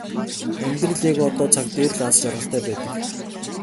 Амьдрал яг одоо цаг дээр л аз жаргалтай байдаг.